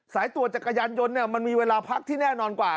สายตรวจจักรยานยนต์เนี่ยมันมีเวลาพักที่แน่นอนกว่า